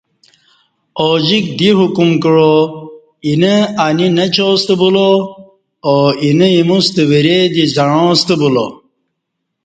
اوجِکہ دی حکم کعا اینہ انی نچاستہ بُولا او اینہ ایموستہ وری دی زعݩاسہ بولا